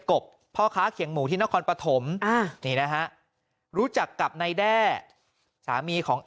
กบพ่อค้าเขียงหมูที่นครปฐมนี่นะฮะรู้จักกับนายแด้สามีของ